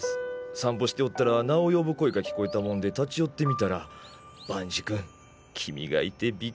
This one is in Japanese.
散歩しておったら名を呼ぶ声が聞こえたもんで立ち寄ってみたら伴二くん君がいてびっくりした。